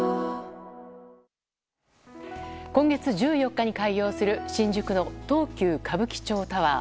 今月１４日に開業する新宿の東急歌舞伎町タワー。